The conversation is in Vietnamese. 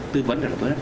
tư vấn đều là tôi